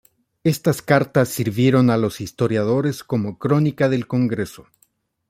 Estas cartas sirvieron a los historiadores como crónica del Congreso.